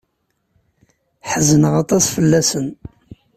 Ḥezneɣ aṭas fell-asen.